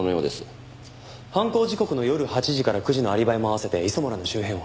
犯行時刻の夜８時から９時のアリバイも併せて磯村の周辺を。